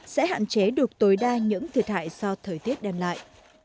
sẽ hạn chế được tối đa những thiệt hại do thời tiết đem lại